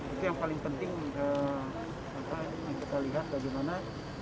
itu yang paling penting yang kita lihat bagaimana